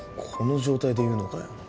この状態で言うのかよ？